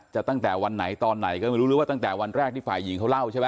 ตั้งแต่วันไหนตอนไหนก็ไม่รู้หรือว่าตั้งแต่วันแรกที่ฝ่ายหญิงเขาเล่าใช่ไหม